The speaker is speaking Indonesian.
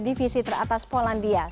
tiga divisi teratas polandia